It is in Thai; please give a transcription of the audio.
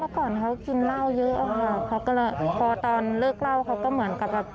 ก่อนเขากินเหล้าเยอะอะค่ะเขาก็เลยพอตอนเลิกเล่าเขาก็เหมือนกับแบบ